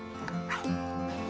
はい。